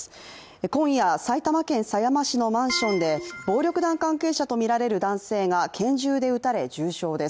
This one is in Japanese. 今夜、埼玉県狭山市のマンションで暴力団関係者とみられる男性が拳銃で撃たれ、重傷です。